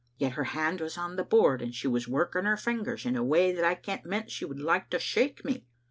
Yet her hand was on the board, and she was working her fingers in a way that I kent meant she would like to shake me.